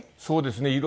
そうですね。